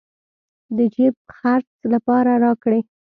د جېب خرڅ لپاره راكړې.